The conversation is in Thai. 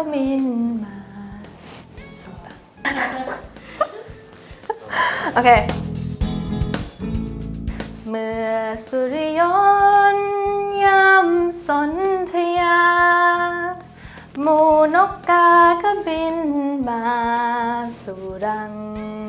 พ่อโดดยามสนทรยาหมูนกากบินมาสู่ดั่ง